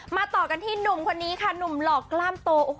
ต่อกันที่หนุ่มคนนี้ค่ะหนุ่มหลอกกล้ามโต